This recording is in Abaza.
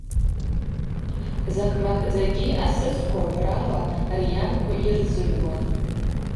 Закӏмакӏдзагьи асысква гӏврала рйанква йырзыгӏвуан.